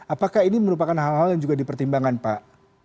apakah ini merupakan hal hal yang juga dipertimbangkan pak